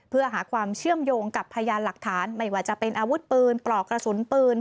เพื่อหาความเชื่อมโยงกับพยานหลักฐานไม่ว่าจะเป็นอาวุธปืนปลอกกระสุนปืน